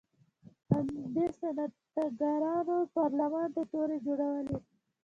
همدې صنعتکارانو پارلمان ته تورې جوړولې.